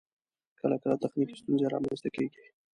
کله کله تخنیکی ستونزې رامخته کیږی